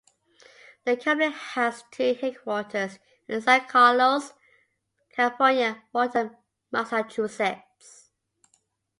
The company has two headquarters in San Carlos, California and Waltham, Massachusetts.